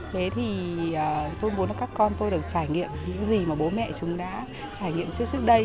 thế thì tôi muốn là các con tôi được trải nghiệm những gì mà bố mẹ chúng đã trải nghiệm trước đây